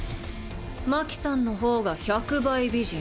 真希さんの方が１００倍美人。